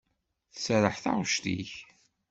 Tserreḥ taɣect-ik.